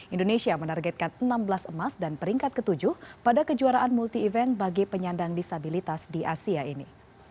indonesia menargetkan enam belas emas dan peringkat ke tujuh pada kejuaraan multi event bagi penyandang disabilitas di asia ini